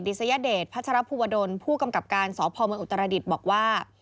ดิสยเดชพัชรภูปดนตร์ผู้กำกับการสพอุตรดิษฐ์บอกว่า